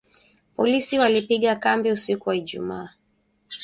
Polisi walipiga kambi usiku wa Ijumaa